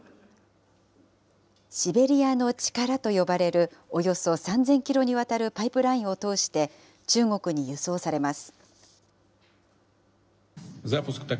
シベリアの力と呼ばれる、およそ３０００キロにわたるパイプラインを通して、中国に輸送されます。